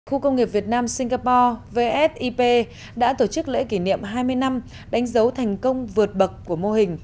khu công nghiệp việt nam singapore vsip đã tổ chức lễ kỷ niệm hai mươi năm đánh dấu thành công vượt bậc của mô hình